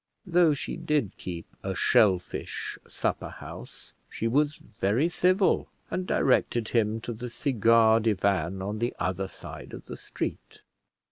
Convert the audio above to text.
Though she did keep a shellfish supper house, she was very civil, and directed him to the cigar divan on the other side of the street.